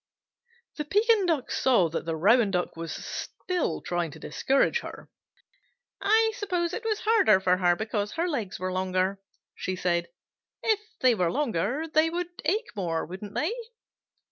The Pekin Duck saw that the Rouen Duck was still trying to discourage her. "I suppose it was harder for her because her legs were longer," she said. "If they were longer they would ache more, wouldn't they?"